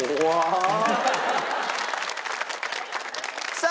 さあ